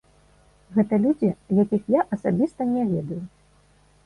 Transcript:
Гэта людзі, якіх я асабіста не ведаю.